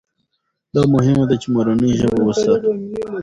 دا مهمه ده چې مورنۍ ژبه وساتو.